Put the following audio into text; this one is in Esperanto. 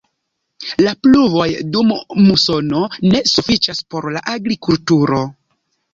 La pluvoj dum musono ne sufiĉas por la agrikulturo.